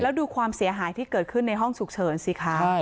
แล้วดูความเสียหายที่เกิดขึ้นในห้องฉุกเฉินสิคะ